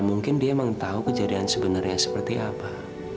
mungkin dia emang tau kejadian sebeneran seperti apa